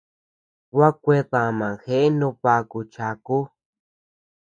Gua kuedama jeʼe no baku chaku.